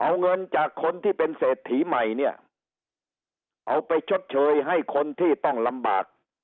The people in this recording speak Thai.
เอาเงินจากคนที่เป็นเศรษฐีใหม่เนี่ยเอาไปชดเชยให้คนที่ต้องลำบาก